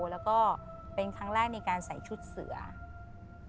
แล้วก็เป็นครั้งแรกในการใส่ชุดเสือ